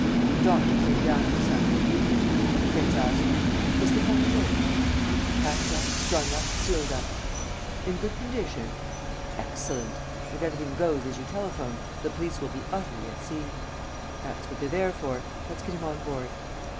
The doctor came down at the sound of the hooter. The prince asked: "Is the fellow ready?" "Packed up, strung up, sealed up." "In good condition?" "Excellent. If everything goes as you telephoned, the police will be utterly at sea." "That's what they're there for. Let's get him on board."